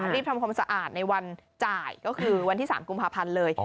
รีบทำความสะอาดในวันจ่ายก็คือวันที่๓กุมภาพันธ์เลย